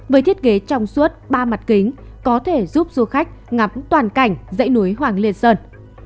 với thiết kế trong suốt ba mặt kính có thể giúp du khách ngắm toàn cảnh dãy núi hoàng liên sơn